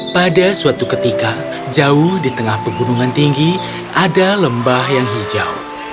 pada suatu ketika jauh di tengah pegunungan tinggi ada lembah yang hijau